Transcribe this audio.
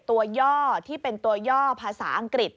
ย่อที่เป็นตัวย่อภาษาอังกฤษ